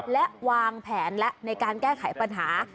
และวางแผนและในการแก้ไขปัญหา